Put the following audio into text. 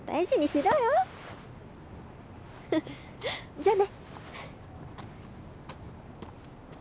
じゃあね。